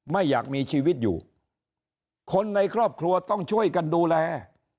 ไม่อยากมีชีวิตอยู่คนในครอบครัวต้องช่วยกันดูแล